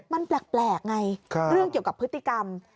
มันแปลกไงเรื่องเกี่ยวกับพฤติกรรม